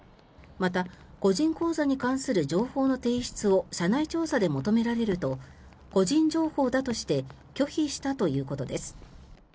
また、個人口座に関する情報の提出を社内調査で求められると個人情報だとして拒否したということです。